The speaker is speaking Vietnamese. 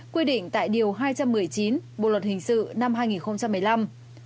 quy định tại điều hai trăm một mươi chín bộ luật hình sự năm hai nghìn một mươi năm